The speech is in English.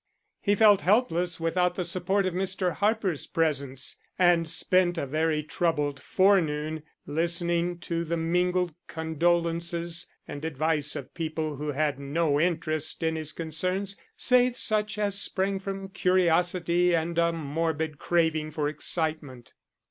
He felt helpless without the support of Mr. Harper's presence, and spent a very troubled forenoon listening to the mingled condolences and advice of people who had no interest in his concerns save such as sprang from curiosity and a morbid craving for excitement.